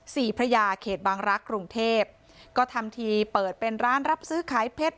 พระยาเขตบางรักษ์กรุงเทพก็ทำทีเปิดเป็นร้านรับซื้อขายเพชร